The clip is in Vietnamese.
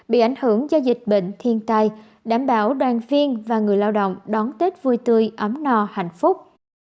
bị ảnh hưởng do dịch bệnh thiên tai đảm bảo đoàn viên và người lao động đón tết vui tươi ấm no hạnh phúc